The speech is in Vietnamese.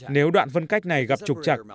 nếu đoạn phân cách này gặp trục chặt